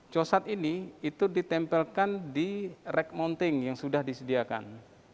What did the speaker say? cosat ini itu ditempelkan di rek monting yang sudah disediakan